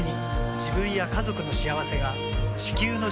自分や家族の幸せが地球の幸せにつながっている。